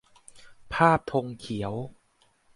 ภาพธงเขียว